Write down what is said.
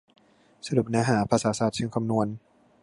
สรุปเนื้อหา ภาษาศาสตร์เชิงคำนวณ